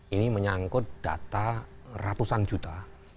ini menyangkut data ratusan juta